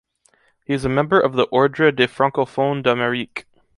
He is a member of the Ordre des francophones d’Amérique.